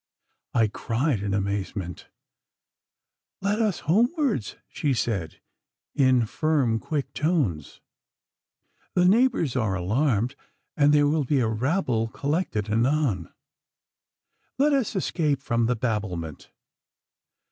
I cried, in amazement. 'Let us homewards,' she said, in firm, quick tones. 'The neighbours are alarmed, and there will be a rabble collected anon. Let us escape from the babblement.